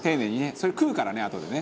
それ、食うからね、あとでね。